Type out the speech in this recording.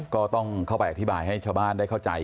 ก็ต้องเข้าไปอธิบายให้ชาวบ้านได้เข้าใจ